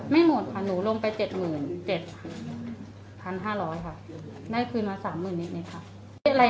ไม่หมดค่ะหนูลงไปเจ็ดหมื่นเจ็ดพันห้าร้อยค่ะได้คืนมาสามหมื่นนิดนึงค่ะ